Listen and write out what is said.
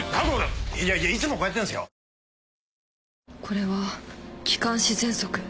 これは気管支ぜんそく。